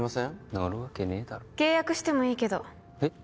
乗るわけねえだろ契約してもいいけどえっ？